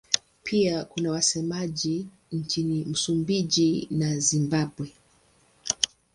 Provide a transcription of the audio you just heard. Pia kuna wasemaji nchini Msumbiji na Zimbabwe.